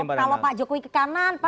kalau pak jokowi ke kanan pan ke kanan